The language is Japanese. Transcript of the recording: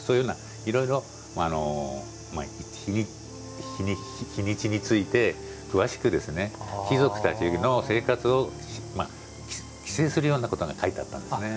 いろいろ日にちについて詳しく貴族たちの生活を規制するようなことが書いてあったんですね。